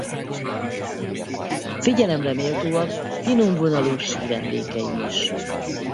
Figyelemre méltóak finom vonalú síremlékei is.